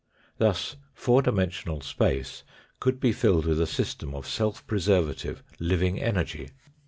Thus fpur dimensional space could be filled with a system of self preservative living energy.